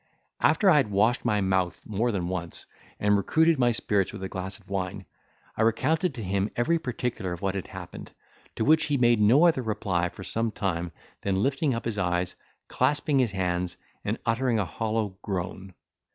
After I had washed my mouth, more than once, and recruited my spirits with a glass of wine, I recounted to him every particular of what had happened; to which he made no other reply for some time than lifting up his eyes, clasping his hands, and uttering a hollow groan.